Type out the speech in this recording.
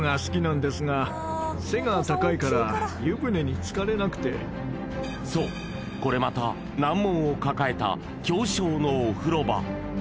しかし残るはそうこれまた難問を抱えた狭小のお風呂場